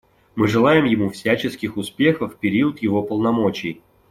Мы желаем ему всяческих успехов в период его полномочий.